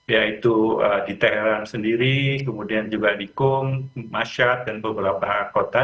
yaitu di thailand sendiri kemudian juga di kung masyad dan beberapa kota